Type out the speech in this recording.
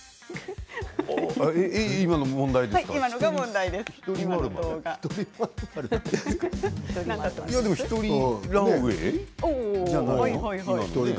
今のが問題ですか。